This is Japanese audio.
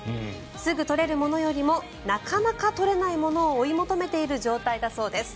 すぐ取れるものよりもなかなか取れないものを追い求めている状態だそうです。